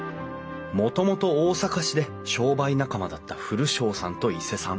もともと大阪市で商売仲間だった古荘さんと伊勢さん。